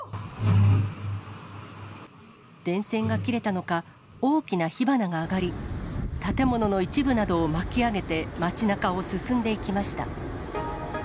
電線が切れたのか、大きな火花が上がり、建物の一部などを巻き上げて、街なかを進んでいきました。